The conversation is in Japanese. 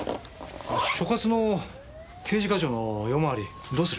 所轄の刑事課長の夜回りどうする？